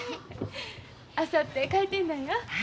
あさって開店なんや。